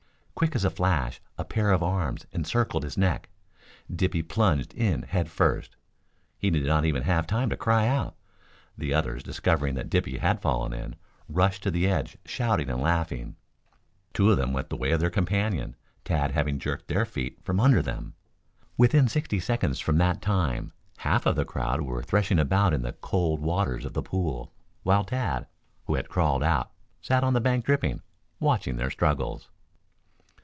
Quick as a flash a pair of arms encircled his neck. Dippy plunged in head first. He did not even have time to cry out. The others, discovering that Dippy had fallen in, rushed to the edge shouting and laughing. Two of them went the way of their companion, Tad having jerked their feet from under them. Within sixty seconds from that time half of the crowd were threshing about in the cold waters of the pool, while Tad, who had crawled out, sat on the bank dripping, watching their struggles.